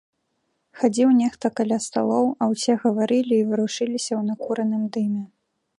Хадзіў нехта каля сталоў, а ўсе гаварылі і варушыліся ў накураным дыме.